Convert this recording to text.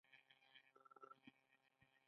ایا دا پوښتنې ګټورې وې؟